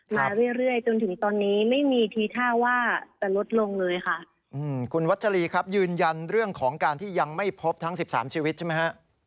มาเรื่อยเรื่อยจนถึงตอนนี้ไม่มีทีท่าว่าจะลดลงเลยค่ะอืมคุณวัชรีครับยืนยันเรื่องของการที่ยังไม่พบทั้งสิบสามชีวิตใช่ไหมฮะ